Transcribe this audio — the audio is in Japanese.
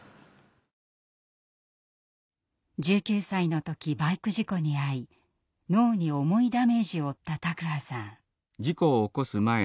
１９歳の時バイク事故に遭い脳に重いダメージを負った卓巴さん。